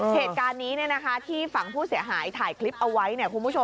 เหตุการณ์นี้ที่ฝั่งผู้เสียหายถ่ายคลิปเอาไว้เนี่ยคุณผู้ชม